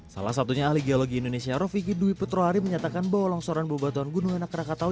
salah satunya ahli geologi indonesia rofiki dwi petrohari menyatakan bahwa longsoran bebatuan gunung anak rakatau